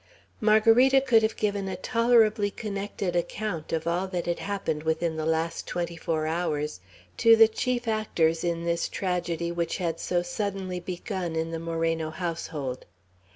Margarita could have given a tolerably connected account of all that had happened within the last twenty four hours to the chief actors in this tragedy which had so suddenly begun in the Moreno household.